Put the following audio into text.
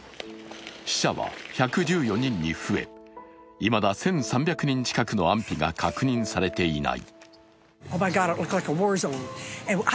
死者は１１４人に増えいまだ１３００人近くの安否が確認されていない。